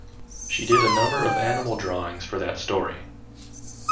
She did a number of animal drawings for that story.